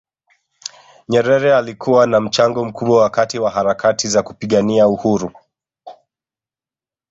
nyerere alikuwa na mchango mkubwa wakati wa harakati za kupigania uhuru